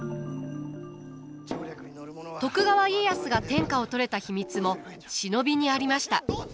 徳川家康が天下を取れた秘密も忍びにありました。